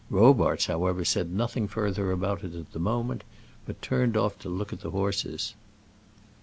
Robarts, however, said nothing further about it at the moment, but turned off to look at the horses.